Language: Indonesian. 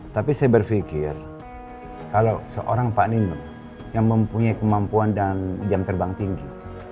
tapi saya berpikir kalau seorang pak nin yang mempunyai kemampuan dan jam terbang tinggi